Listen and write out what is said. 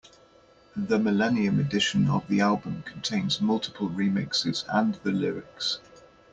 The millennium edition of the album contains multiple remixes and the lyrics.